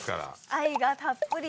愛がたっぷりです。